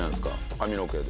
髪の毛で。